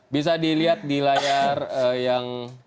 bisa dilihat di layar yang